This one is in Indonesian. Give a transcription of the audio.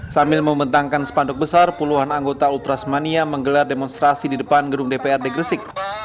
sambil membentangkan sepanduk besar puluhan anggota ultrasmania menggelar demonstrasi di depan gedung dprd gresik